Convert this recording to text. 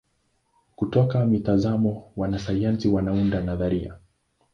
Kutoka mitazamo wanasayansi wanaunda nadharia.